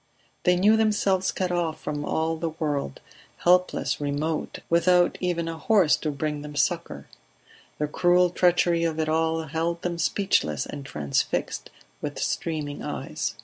They knew themselves cut off from all the world, helpless, remote, without even a horse to bring them succour. The cruel treachery of it all held them speechless and transfixed, with streaming eyes.